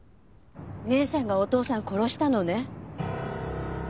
姉さんがお父さんを殺したのね？